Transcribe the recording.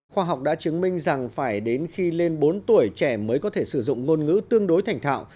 khoa học đã chứng minh rằng phải đến khi lên bốn tuổi trẻ mới có thể sử dụng ngôn ngữ tương đối thành thạo